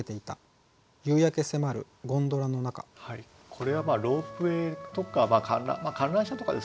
これはまあロープウエーとか観覧車とかですかね。